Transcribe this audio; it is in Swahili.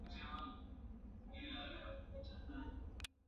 kujiri ama zitajiri hapo baadaye